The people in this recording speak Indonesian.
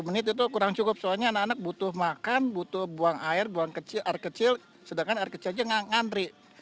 dua puluh menit itu kurang cukup soalnya anak anak butuh makan butuh buang air buang kecil air kecil sedangkan air kecil aja ngantri